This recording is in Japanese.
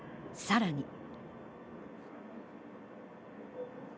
さらに。